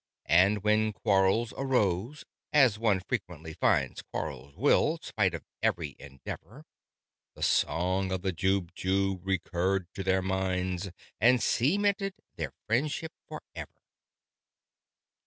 And when quarrels arose as one frequently finds Quarrels will, spite of every endeavour The song of the Jubjub recurred to their minds, And cemented their friendship for ever!